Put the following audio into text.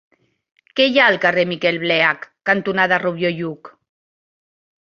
Què hi ha al carrer Miquel Bleach cantonada Rubió i Lluch?